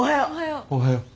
おはよう。